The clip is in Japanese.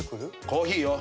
コーヒーよ。